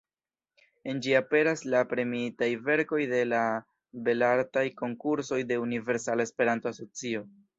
En ĝi aperas la “Premiitaj verkoj de la Belartaj konkursoj de Universala Esperanto-Asocio’’.